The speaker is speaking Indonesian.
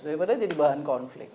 daripada jadi bahan konflik